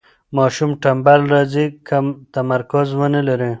ماشوم ټنبل راځي که تمرکز ونلري.